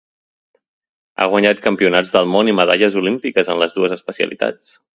Ha guanyat Campionats del món i medalles olímpiques en les dues especialitats.